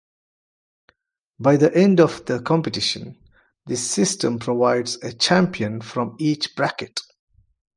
By the end of the competition, this system produces a champion from each bracket.